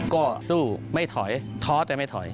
ก็สู้ไม่ถอยท้อแต่ไม่ถอย